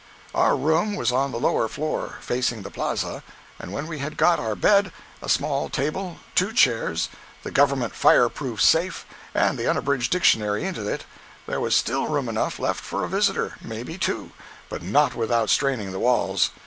Our room was on the lower floor, facing the plaza, and when we had got our bed, a small table, two chairs, the government fire proof safe, and the Unabridged Dictionary into it, there was still room enough left for a visitor—may be two, but not without straining the walls.